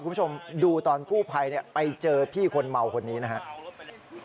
คุณผู้ชมดูตอนกู้ภัยไปเจอพี่คนเมาคนนี้นะครับ